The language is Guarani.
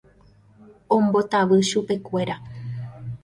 ombotavy chupekuéra